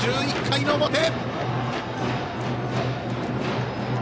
１１回の表！